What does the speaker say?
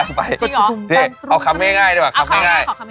ยากไปเอาคำง่ายดีกว่าคำง่ายหน่อย